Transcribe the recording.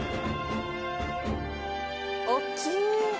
大きい。